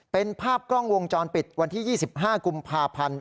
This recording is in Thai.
เป็นภาพกล้องวงจรปิดวันที่๒๕กุมภาพันธ์